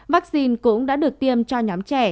vaccine cũng đã được tiêm cho nhóm trẻ